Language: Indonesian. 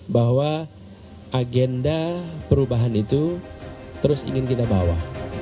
bahwa agenda perubahan itu terus ingin kita bawa